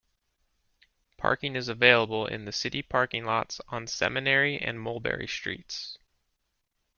Parking is available in the city parking lots on Seminary and Mulberry Streets.